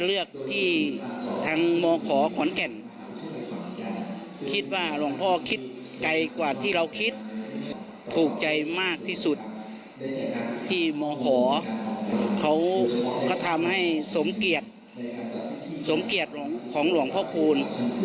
รุงปู่ใจมากที่สุดที่หมอหอเขาทำให้สมเกียจสมเกียจของหลวงพ่อคูณ